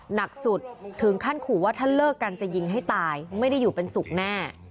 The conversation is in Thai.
หนักสุดถึงขั้นขู่ว่าถ้าเลิกกันจะยิงให้ตายไม่ได้อยู่เป็นสุขแน่